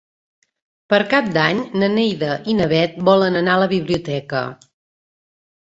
Per Cap d'Any na Neida i na Bet volen anar a la biblioteca.